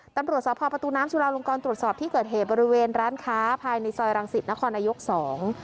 ตำรวจสพประตูน้ำจุลาลงกรตรวจสอบที่เกิดเหตุบริเวณร้านค้าภายในซอยรังสิตนครนายกสอง